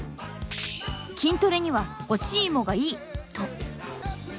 「筋トレには干し芋がいい！」と。